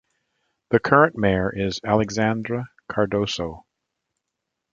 The current mayor is Alexandre Cardoso.